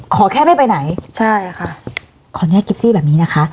ขอแค่ไม่ไปไหนใช่ค่ะขออนุญาตกิฟซี่แบบนี้นะคะ